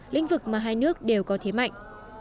lĩnh vực mà hai nước đều có thế mạnh